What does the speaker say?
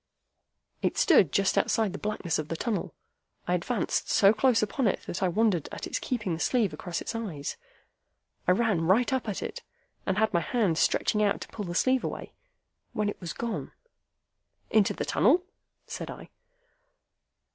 It stood just outside the blackness of the tunnel. I advanced so close upon it that I wondered at its keeping the sleeve across its eyes. I ran right up at it, and had my hand stretched out to pull the sleeve away, when it was gone." "Into the tunnel?" said I.